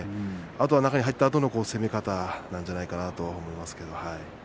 あとは中に入ったときの攻め方なんじゃないかなと思います。